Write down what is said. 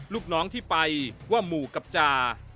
ลูกน้องที่ไปว่าหมู่กับจา